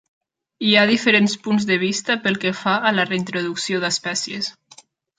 Hi ha diferents punts de vista pel que fa a la reintroducció d'espècies.